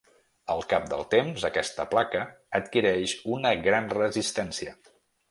Al cap del temps, aquesta placa adquireix una gran resistència.